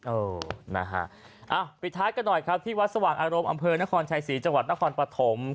เออนะฮะปิดท้ายกันหน่อยครับที่วัดสว่างอารมณ์อำเภอนครชัยศรีจังหวัดนครปฐม